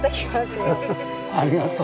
フフありがとう。